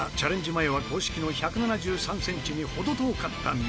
前は公式の１７３センチに程遠かった宮田。